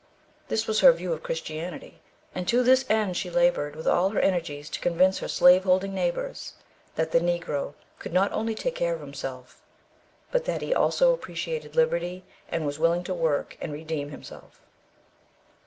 This was her view of Christianity, and to this end she laboured with all her energies to convince her slaveholding neighbours that the Negro could not only take care of himself, but that he also appreciated liberty, and was willing to work and redeem himself.